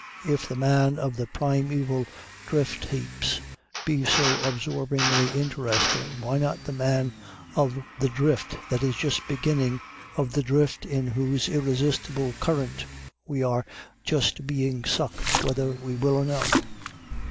If the man of the primeval drift heaps be so absorbingly interesting, why not the man of the drift that is just beginning, of the drift into whose irresistible current we are just being sucked whether we will or no?